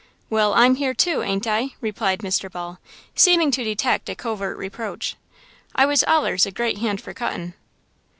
"Well, I'm here, too, ain't I?" replied Mr. Ball, seeming to detect a covert reproach. "I was allers a great hand fer cuttin'."